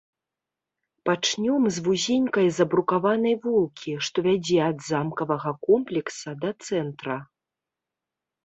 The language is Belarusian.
Пачнём з вузенькай забрукаванай вулкі, што вядзе ад замкавага комплекса да цэнтра.